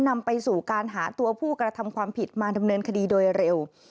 นำไปสู่การหาตัวผู้กระทำความผิดมาดำเนินคดีโดยเร็ว